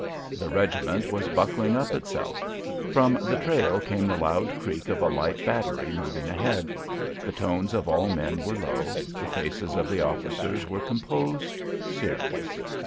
The regiment was buckling up itself. From the trail came the loud creak of a light battery moving ahead. The tones of all men were low; the faces of the officers were composed, serious.